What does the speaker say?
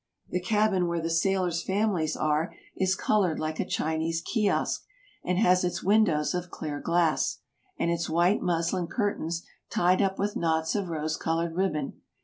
The cabin where the sailors' families are is colored like a Chinese kiosk, and has its windows of clear glass, and its white muslin curtains tied up with knots of rose colored ribbon.